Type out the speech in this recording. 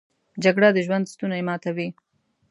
جګړه د ژوند ستونی ماتوي